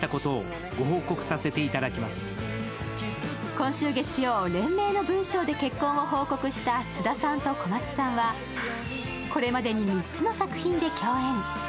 今週月曜、連名の文書で結婚を報告した菅田さんと小松さんはこれまでに３つの作品で共演。